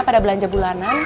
pada belanja bulanan